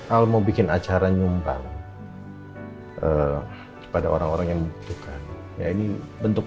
al mau bikin acara nyumbang kepada orang orang yang membutuhkan ya ini bentuk